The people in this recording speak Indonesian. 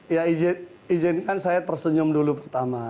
ya izinkan saya tersenyum dulu pertama